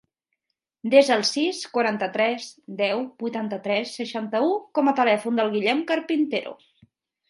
Desa el sis, quaranta-tres, deu, vuitanta-tres, seixanta-u com a telèfon del Guillem Carpintero.